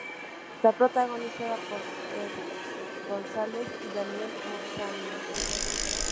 Está protagonizada por Erich Gonzales y Daniel Matsunaga.